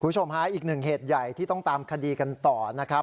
คุณผู้ชมฮะอีกหนึ่งเหตุใหญ่ที่ต้องตามคดีกันต่อนะครับ